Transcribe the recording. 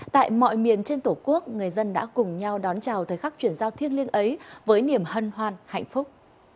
tại mọi miền trên tổ quốc người dân đã cùng nhau đón chào thời khắc chuyển giao thiên liên ấy với niềm hân hoan hạnh phúc